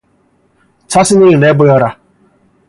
자신을 내보여라.